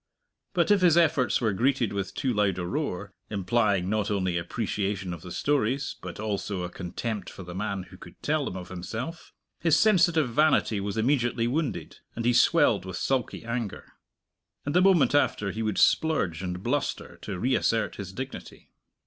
But if his efforts were greeted with too loud a roar, implying not only appreciation of the stories, but also a contempt for the man who could tell them of himself, his sensitive vanity was immediately wounded, and he swelled with sulky anger. And the moment after he would splurge and bluster to reassert his dignity.